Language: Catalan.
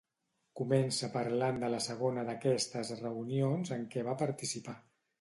Comença parlant de la segona d’aquestes reunions en què va participar.